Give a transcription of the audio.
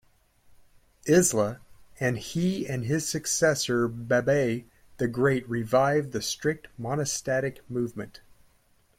Izla, and he and his successor Babai the Great revived the strict monastic movement.